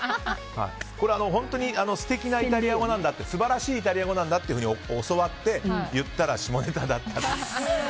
本当に素敵なイタリア語なんだ素晴らしいイタリア語なんだって教わって、言ったら下ネタだったと。